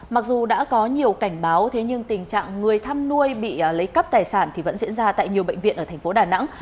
mặc dù đã có nhiều cảnh báo thế nhưng tình trạng người thăm nuôi bị lấy cắp tài sản thì vẫn diễn ra tại nhiều bệnh viện ở thành phố đà nẵng